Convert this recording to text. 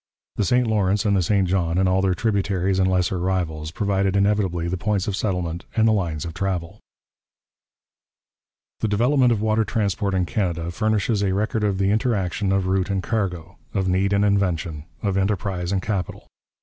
The St Lawrence and the St John and all their tributaries and lesser rivals provided inevitably the points of settlement and the lines of travel. The development of water transport in Canada furnishes a record of the interaction of route and cargo, of need and invention, of enterprise and capital.